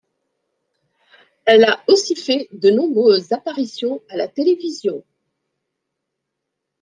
Elle a aussi fait de nombreuses apparitions à la télévision.